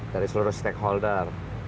dari seluruh stakeholder